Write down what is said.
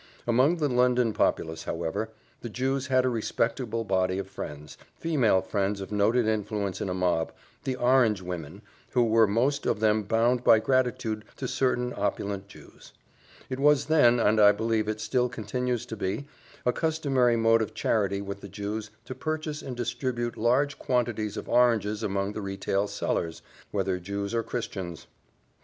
Among the London populace, however, the Jews had a respectable body of friends, female friends of noted influence in a mob the orange women who were most of them bound by gratitude to certain opulent Jews. It was then, and I believe it still continues to be, a customary mode of charity with the Jews to purchase and distribute large quantities of oranges among the retail sellers, whether Jews or Christians.